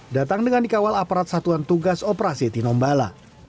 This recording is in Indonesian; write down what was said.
datang dengan dikawal aparat satuan tugas operasi tinombala